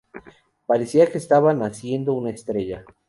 Parecía que estaba naciendo una estrella.